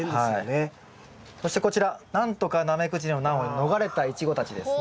そしてこちら何とかナメクジの難を逃れたイチゴたちですね。